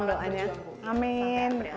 dan semoga semangat berjuang bu